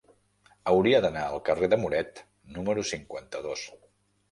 Hauria d'anar al carrer de Muret número cinquanta-dos.